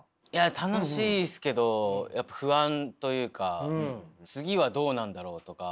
楽しいですけどやっぱ不安というか次はどうなんだろうとか。